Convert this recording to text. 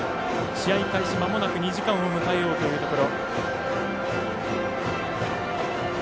試合開始まもなく２時間を迎えようというところ。